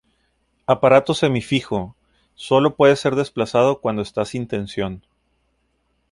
Aparato semi-fijo, sólo puede ser desplazado cuando está sin tensión.